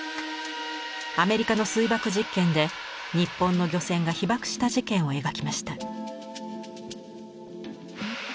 アメリカの水爆実験で日本の漁船が被ばくした事件を描きました。